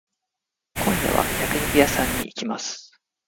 今夜は焼肉屋さんに行きます。